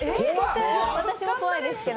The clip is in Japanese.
私も怖いですけど。